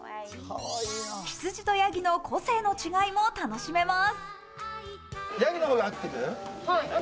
羊とヤギの個性の違いも楽しめます。